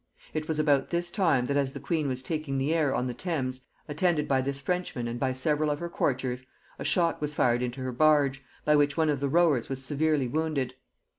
It was about this time that as the queen was taking the air on the Thames, attended by this Frenchman and by several of her courtiers, a shot was fired into her barge, by which one of the rowers was severely wounded.